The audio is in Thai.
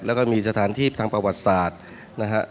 แล้วก็มีสถานที่ทางประวัติศาสตร์นะฮะ